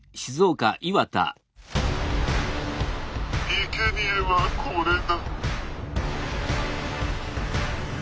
「いけにえはこれだ」。